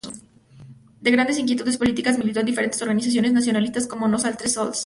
De grandes inquietudes políticas, militó en diferentes organizaciones nacionalistas como "Nosaltres Sols!